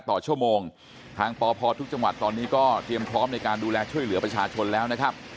ต่อชั่วโมงทางปพทุกจังหวัดตอนนี้ก็เตรียมพร้อมในการดูแลช่วยเหลือประชาชนแล้วนะครับ